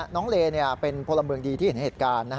น้องเลเป็นพลเมืองดีที่เห็นเหตุการณ์